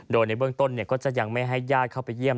โดยในเบื้องต้นก็จะยังไม่ให้ญาติเข้าไปเยี่ยม